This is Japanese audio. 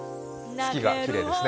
月がきれいですね。